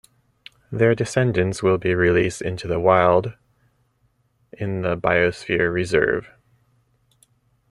Their descendants will be released into the wild in the Biosphere Reserve.